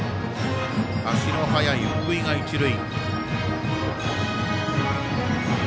足の速い福井が一塁。